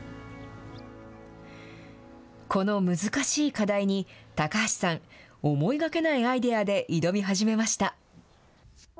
この難しい課題に、高橋さん、思いがけないアイデアで挑み始めました。